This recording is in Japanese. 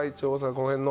この辺の。